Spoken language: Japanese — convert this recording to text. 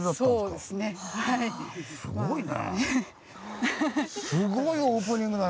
「すごいな！